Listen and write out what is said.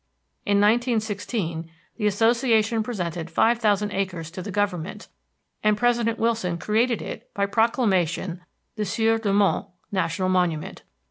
In 1916 the association presented five thousand acres to the Government, and President Wilson created it by proclamation the Sieur de Monts National Monument.